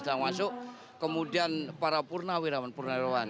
yang masuk kemudian para purnawirawan purnawan